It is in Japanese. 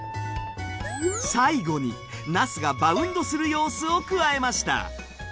最後になすがバウンドする様子を加えました。